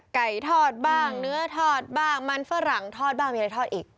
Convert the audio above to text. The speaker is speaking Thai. ไก่ทอดบ้างเนื้อทอดบ้างมันฝรั่งทอดบ้างมีอะไรทอดอีก